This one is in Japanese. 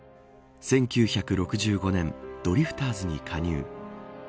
１９６５年ドリフターズに加入。